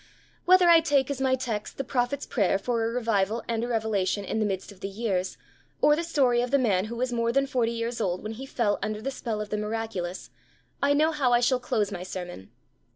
Whether I take as my text the prophet's prayer for a revival and a revelation in the midst of the years, or the story of the man who was more than forty years old when he fell under the spell of the miraculous, I know how I shall close my sermon.